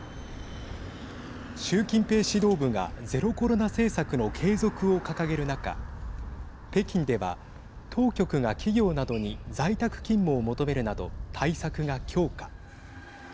習近平指導部がゼロコロナ政策の継続を掲げる中北京では当局が企業などに在宅勤務を求めるなど対策が強化。